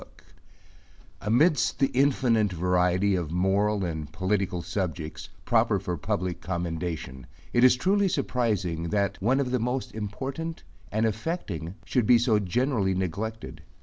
1 Amidst the infinite variety of moral and political subjects, proper for public commendation, it is truly surprising, that one of the most important and affecting should be so generally neglected.